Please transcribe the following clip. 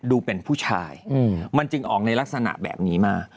ดูเป็นผู้ชายมันจึงออกในลักษณะแบบนี้มา